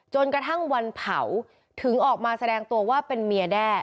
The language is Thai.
จนกระทั่งวันเผาถึงออกมาแสดงตัวว่าเป็นเมียแด้